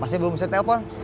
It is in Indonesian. masih belum mesti telpon